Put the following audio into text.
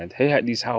thế hệ đi sau